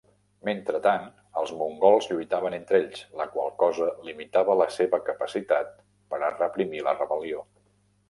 Mentrestant, els mongols lluitaven entre ells, la qual cosa limitava la seva capacitat per a reprimir la rebel·lió.